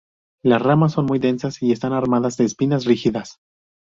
Las ramas son muy densas y están armadas de espinas rígidas.